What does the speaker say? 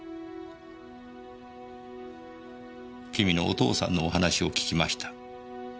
君のお父さんのお話を聞きました。